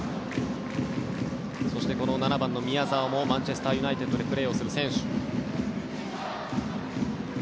そして７番の宮澤ひなたもマンチェスター・ユナイテッドでプレーする選手。